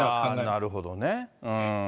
なるほどね。